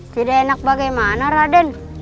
tidak enak bagaimana raden